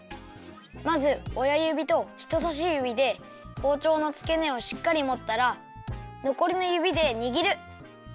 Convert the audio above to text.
まずおやゆびとひとさしゆびでほうちょうのつけねをしっかりもったらのこりのゆびでにぎる。